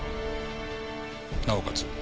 なおかつ。